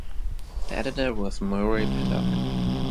The editor was Murray Pittock.